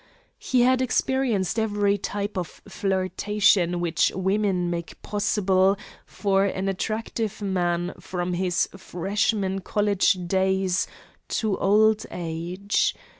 He had experienced every type of flirtation which women make possible for an attractive man from his freshman college days to old age.